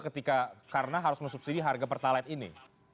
ketika karena harus mensubsidi harga pertalite ini